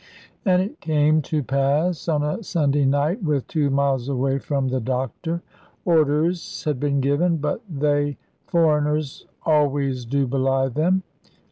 And it came to pass on a Sunday night, with two miles away from the doctor. Orders had been given; but they foreigners always do belie them.